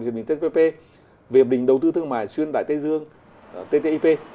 hiệp định tpp về hiệp định đầu tư thương mại xuyên đại tây dương ttip